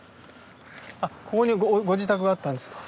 あっここにご自宅があったんですか？